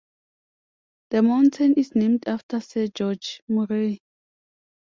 The mountain is named after Sir George Murray.